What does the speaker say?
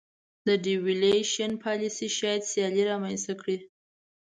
د devaluation پالیسي شاید سیالي رامنځته کړي.